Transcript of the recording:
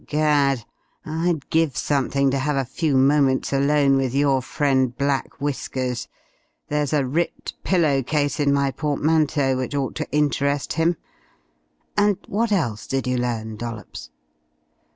Gad! I'd give something to have a few moments alone with your friend Black Whiskers! There's a ripped pillow case in my portmanteau which ought to interest him. And what else did you learn, Dollops?"